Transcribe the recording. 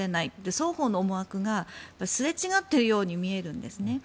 双方の思惑がすれ違っているように見えるんですね。